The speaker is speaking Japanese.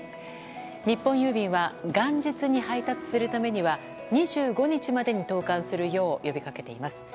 日本郵便は元日に配達するためには２５日までに投函するよう呼びかけています。